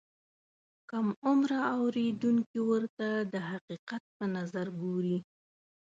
کم عمره اورېدونکي ورته د حقیقت په نظر ګوري.